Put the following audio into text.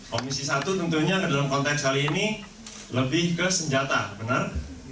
komisi satu tentunya dalam konteks kali ini lebih ke senjata benar